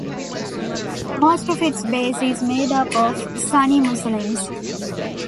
Most of its base is made up of Sunni Muslims.